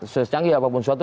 secanggih apapun suatu